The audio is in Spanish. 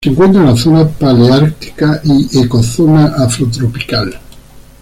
Se encuentra en la zona paleártica y Ecozona afrotropical.